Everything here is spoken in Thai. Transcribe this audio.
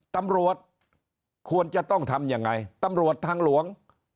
ตำรวจควรจะต้องทำยังไงตำรวจทางหลวง